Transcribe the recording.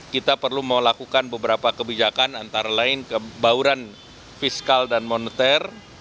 kita perlu melakukan beberapa kebijakan antara lain kebauran fiskal dan moneter